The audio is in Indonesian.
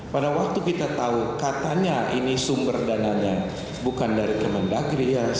pada waktu kita tahu katanya ini sumber dananya bukan dari kemendagri